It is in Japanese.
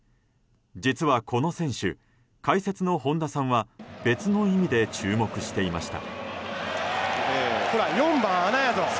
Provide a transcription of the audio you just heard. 実はこの選手解説の本田さんは別の意味で注目していました。